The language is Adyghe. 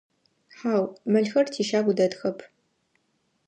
Хьау, мэлхэр тищагу дэтхэп.